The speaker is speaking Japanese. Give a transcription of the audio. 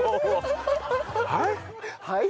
「はい？」。